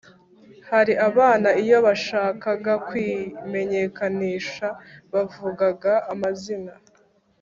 Hari abana iyo bashakaga kwimenyakanisha bavugaga amazina